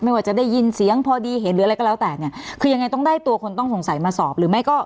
ว่าจะได้ยินเสียงพอดีเห็นหรืออะไรก็แล้วแต่เนี่ยคือยังไงต้องได้ตัวคนต้องสงสัยมาสอบหรือไม่ก็